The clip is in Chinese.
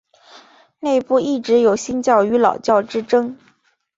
内部一直有新教与老教之争。